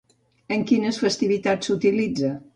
En quines festivitats s'utilitza?